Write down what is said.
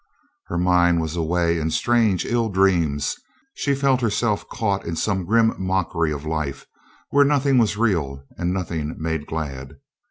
Her mind was away in strange, ill dreams. She felt herself caught in some grim mockery of life, where nothing was real and nothing made glad.